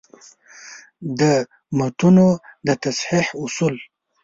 د متونو د تصحیح اصول: